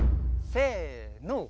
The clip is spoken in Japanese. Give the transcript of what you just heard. せの。